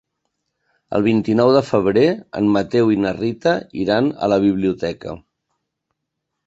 El vint-i-nou de febrer en Mateu i na Rita iran a la biblioteca.